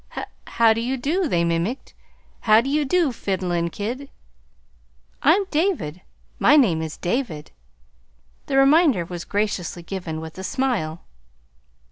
"'H how do you do?'" they mimicked. "How do you do, fiddlin' kid?" "I'm David; my name is David." The reminder was graciously given, with a smile.